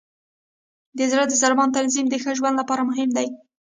د زړه د ضربان تنظیم د ښه ژوند لپاره مهم دی.